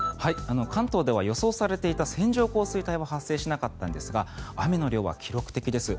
関東では予想されていた線状降水帯は発生しなかったんですが雨の量は記録的です。